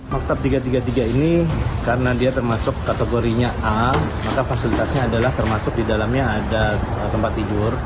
maktab tiga ratus tiga puluh tiga ini karena dia termasuk kategorinya a maka fasilitasnya adalah termasuk di dalamnya ada tempat tidur